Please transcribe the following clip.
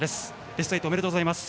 ベスト８おめでとうございます。